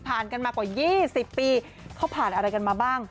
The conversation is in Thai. กันมากว่า๒๐ปีเขาผ่านอะไรกันมาบ้าง